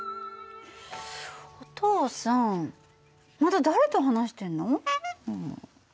お父さんまた誰と話してんの？